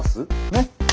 ねっ？